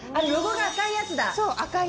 ロゴが赤いやつだ。